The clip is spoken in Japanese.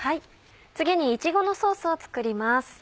次にいちごのソースを作ります。